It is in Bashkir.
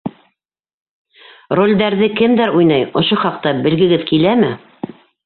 Ролдәрҙе кемдәр уйнай, ошо хаҡта белгегеҙ киләме?